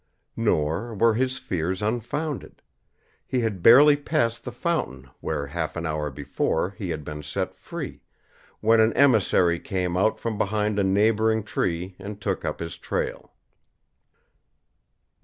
Nor were his fears unfounded. He had barely passed the fountain where, half an hour before, he had been set free, when an emissary came out from behind a neighboring tree and took up his trail.